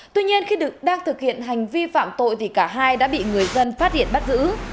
tuy nhiên khi đang thực hiện hành vi phạm tội thì cả hai đã bị người dân phát hiện bắt giữ